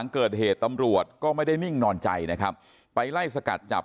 ก่อเหตุกันแบบเฮ้อ